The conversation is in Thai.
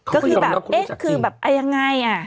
ก็คือแบบเอ๊ะคือแบบยังไง